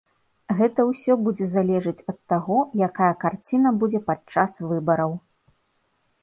Гэта ўсё будзе залежаць ад таго, якая карціна будзе падчас выбараў.